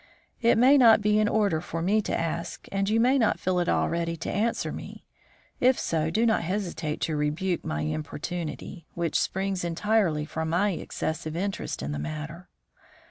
"It may not be in order for me to ask, and you may not feel at all ready to answer me. If so, do not hesitate to rebuke my importunity, which springs entirely from my excessive interest in the matter."